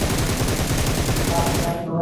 د غوایي ګوپ ډېر غټ شوی دی